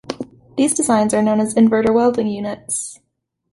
These designs are known as inverter welding units.